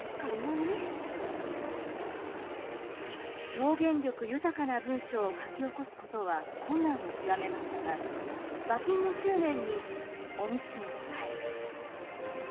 表現力豊かな文章を書き起こすことは困難を極めましたが馬琴の執念にお路も応えついに。